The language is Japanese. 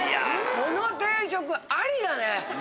この定食アリだね！